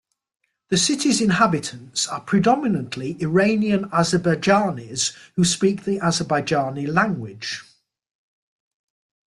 The city's inhabitants are predominantly Iranian Azerbaijanis who speak the Azerbaijani language.